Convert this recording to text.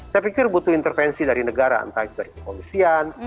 saya pikir butuh intervensi dari negara entah itu dari kepolisian